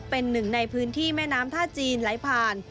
เป็นหนึ่งในพื้นที่แม่น้ำท่าจีนไหลผ่าน